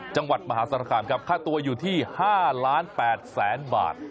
จังหวัดมหาศาลคามครับค่าตัวอยู่ที่๕๘๐๐๐บาท